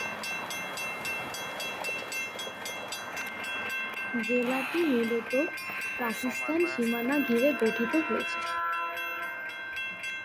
জেলাটি মূলত পাকিস্তান সীমানা ঘিরে গঠিত হয়েছে।